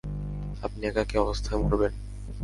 আপনি একাকী অবস্থায় মরবেন!